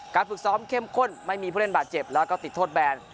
ฝึกซ้อมเข้มข้นไม่มีผู้เล่นบาดเจ็บแล้วก็ติดโทษแบน